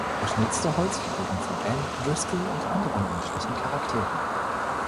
Er schnitzte Holzfiguren von Ann, Driscoll und anderen menschlichen Charakteren.